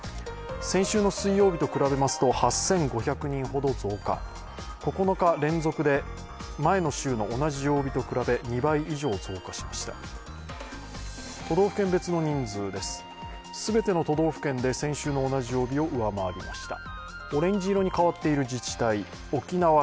先週の水曜日と比べますと８５００人ほど増加、９日連続で前の週の同じ曜日と比べ２倍以上増加しました。